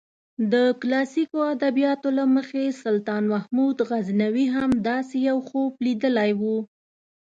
د کلاسیکو ادبیاتو له مخې سلطان محمود غزنوي هم داسې یو خوب لیدلی و.